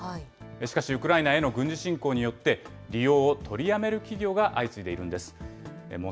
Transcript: しかしウクライナへの軍事侵攻によって、利用を取りやめる企業が相次いでいるんです。